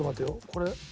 これ。